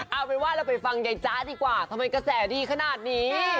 เอาเป็นว่าเราไปฟังยายจ๊ะดีกว่าทำไมกระแสดีขนาดนี้